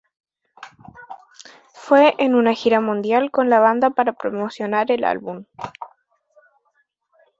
Fue en una gira mundial con la banda para promocionar el álbum.